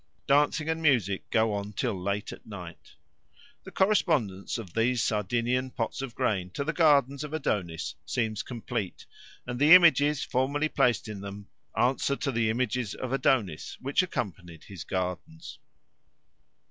Dancing and music go on till late at night. The correspondence of these Sardinian pots of grain to the gardens of Adonis seems complete, and the images formerly placed in them answer to the images of Adonis which accompanied his gardens.